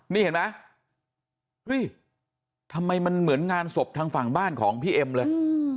นี่เห็นไหมเฮ้ยทำไมมันเหมือนงานศพทางฝั่งบ้านของพี่เอ็มเลย